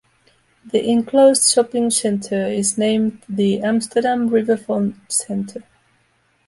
The enclosed shopping center is named the Amsterdam Riverfront Center.